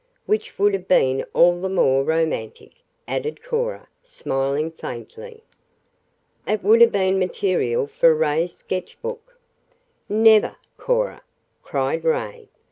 "Which would have been all the more romantic," added Cora, smiling faintly. "It would have been material for Ray's sketchbook." "Never, Cora!" cried Ray.